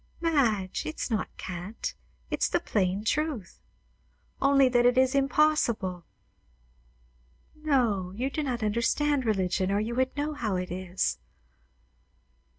"Madge, it's not cant; it's the plain truth." "Only that it is impossible." "No. You do not understand religion, or you would know how it is.